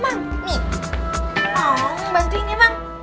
mak bantuin ya mak